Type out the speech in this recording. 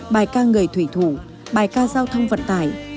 bài ca người thủy thủ bài ca giao thông vận tải